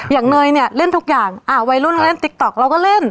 เนยเนี่ยเล่นทุกอย่างวัยรุ่นเล่นติ๊กต๊อกเราก็เล่น